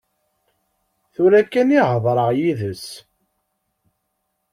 Tura kan i heḍṛeɣ yid-s.